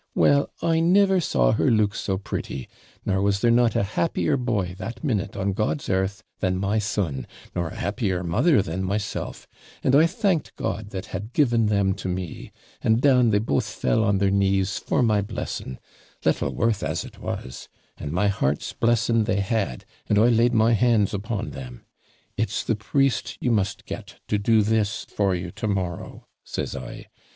Well, I never saw her look so pretty; nor there was not a happier boy that minute on God's earth than my son, nor a happier mother than myself; and I thanked God that had given them to me; and down they both fell on their knees for my blessing, little worth as it was; and my heart's blessing they had, and I laid my hands upon them. "It's the priest you must get to do this for you to morrow," says I.